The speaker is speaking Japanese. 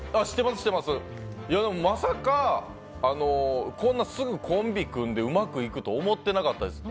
でも、まさかこんなすぐコンビ組んでうまくいくと思ってなかったです。